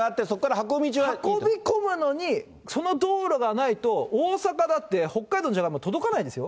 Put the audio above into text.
運ぶのにね、その道路がないと大阪だって、北海道のものは届かないですよ。